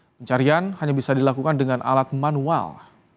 pencarian hanya bisa dilakukan dengan alat manual